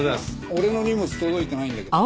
俺の荷物届いてないんだけど。